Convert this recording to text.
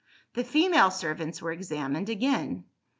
The female servants were examined again.